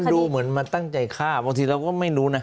ดูเหมือนมาตั้งใจฆ่าบางทีเราก็ไม่รู้นะ